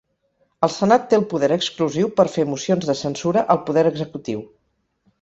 El Senat té el poder exclusiu per fer mocions de censura al poder executiu.